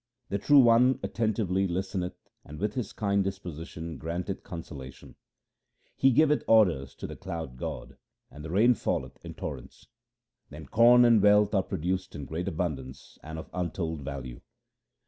The True One attentively listeneth and with His kind disposition 1 granteth consolation ! He giveth orders to the cloud god and the rain falleth in torrents. 2 Then corn and wealth are produced in great abundance and of untold value.